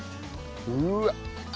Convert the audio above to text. うわっ！